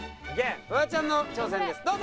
フワちゃんの挑戦ですどうぞ。